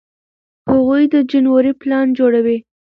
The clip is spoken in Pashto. هغوی د جنورۍ پلان جوړوي.